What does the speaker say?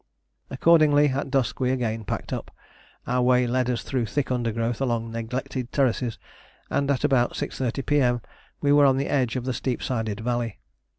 Accordingly at dusk we again packed up. Our way led us through thick undergrowth along neglected terraces, and at about 6.30 P.M. we were on the edge of the steep sided valley.